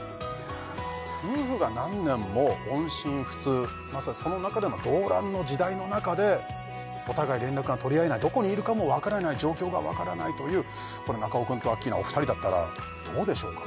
夫婦が何年も音信不通その中での動乱の時代の中でお互い連絡が取り合えないどこにいるかも分からない状況が分からないという中尾君とアッキーナお二人だったらどうでしょうか？